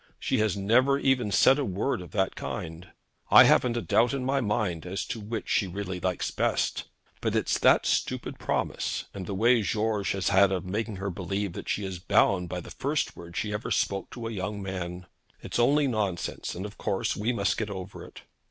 She has never even said a word of that kind. I haven't a doubt on my mind as to which she really likes best; but it's that stupid promise, and the way that George has had of making her believe that she is bound by the first word she ever spoke to a young man. It's only nonsense, and of course we must get over it.'